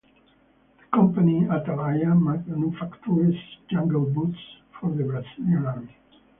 The company Atalaia manufactures jungle boots for the Brazilian Army.